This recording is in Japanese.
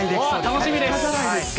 楽しみです。